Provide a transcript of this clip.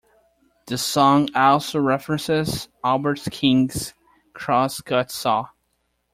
The song also references Albert King's "Cross-Cut Saw".